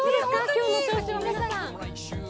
今日の調子は、皆さん。